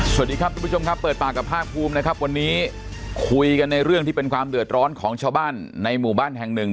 สวัสดีครับทุกผู้ชมครับเปิดปากกับภาคภูมินะครับวันนี้คุยกันในเรื่องที่เป็นความเดือดร้อนของชาวบ้านในหมู่บ้านแห่งหนึ่ง